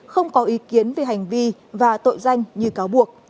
không có ý kiến về hành vi và tội danh như cáo buộc